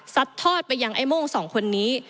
ทอดไปยังไอ้โม่งสองคนนี้